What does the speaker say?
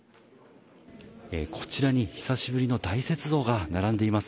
こちらに、久しぶりの大雪像が並んでいます。